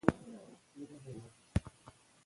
دا مفکوره اوس عملي ښکاري.